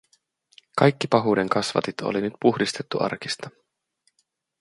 Kaikki pahuuden kasvatit oli nyt puhdistettu arkista.